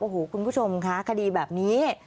โอ้โหคุณผู้ชมคะคดีแบบนี้